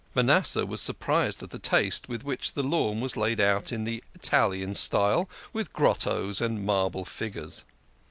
Manasseh was surprised at the taste with which the lawn was laid out in the Italian style, with grottoes and marble figures.